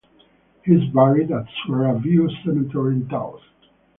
He is buried at Sierra View Cemetery in Taos.